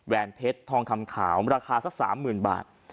แวนเพชรทองคำขาวราคาสัก๓๐๐๐บาท